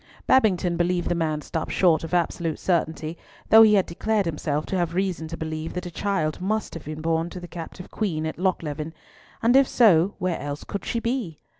Babington believed the man stopped short of absolute certainty, though he had declared himself to have reason to believe that a child must have been born to the captive queen at Lochleven; and if so, where else could she be?